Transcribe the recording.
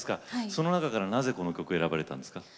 その中からなぜこの曲を選ばれたんですか？